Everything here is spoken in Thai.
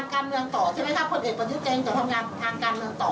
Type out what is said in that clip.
คนอีกประโยชน์ที่เจนจะทำงานทางการเมืองต่อ